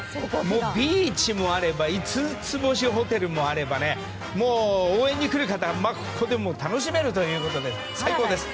ビーチもあれば５つ星ホテルもあれば応援に来る方が、ここで楽しめるということで最高です。